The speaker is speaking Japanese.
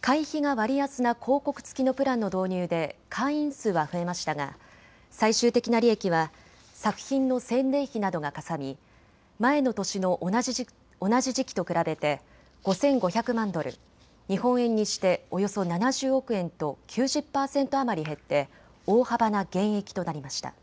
会費が割安な広告付きのプランの導入で会員数は増えましたが最終的な利益は作品の宣伝費などがかさみ前の年の同じ時期と比べて５５００万ドル、日本円にしておよそ７０億円と９０％余り減って大幅な減益となりました。